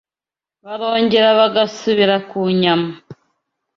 barongera bagasubira ku nyama